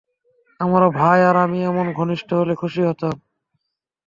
আমার ভাই আর আমি এমন ঘনিষ্ঠ হলে খুশি হতাম।